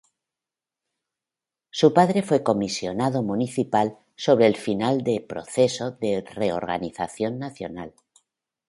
Su padre fue comisionado municipal sobre el final de Proceso de Reorganización Nacional.